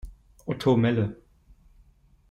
Otto Melle.